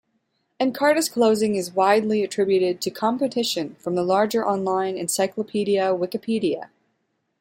Encarta's closing is widely attributed to competition from the larger online encyclopedia Wikipedia.